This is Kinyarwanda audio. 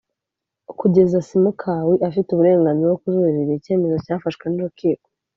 Kugeza Simukawi afite uburenganzira bwo kujuririra icyemezo cyafashwe n’ urukiko